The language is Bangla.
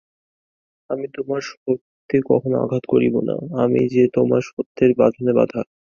আমি তোমার সত্যে কখনো আঘাত করিব না, আমি যে তোমার সত্যের বাঁধনে বাঁধা।